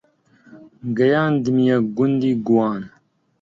گەیاندمیە گوندی گوان